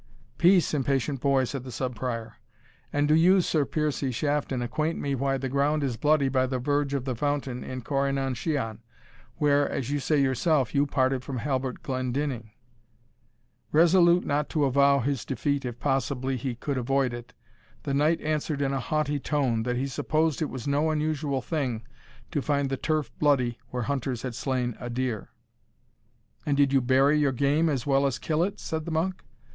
"Peace, impatient boy!" said the Sub Prior; "and do you, Sir Piercie Shafton, acquaint me why the ground is bloody by the verge of the fountain in Corri nan shian, where, as you say yourself, you parted from Halbert Glendinning?" Resolute not to avow his defeat if possibly he could avoid it, the knight answered in a haughty tone, that he supposed it was no unusual thing to find the turf bloody where hunters had slain a deer. "And did you bury your game as well as kill it?" said the monk.